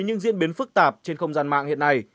những diễn biến phức tạp trên không gian mạng hiện nay